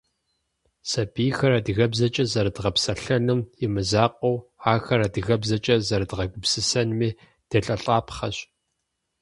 Сабийхэр адыгэбзэкӏэ зэрыдгъэпсэлъэным имызакъуэу, ахэр адыгэбзэкӀэ зэрыдгъэгупсысэнми делӀэлӀапхъэщ.